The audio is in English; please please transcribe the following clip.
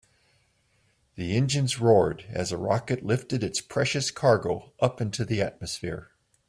The engines roared as the rocket lifted its precious cargo up into the atmosphere.